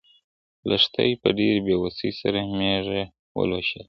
لښتې په ډېرې بې وسۍ سره مېږه ولوشله.